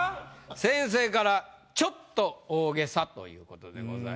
先生から「ちょっと大げさ」ということでございます。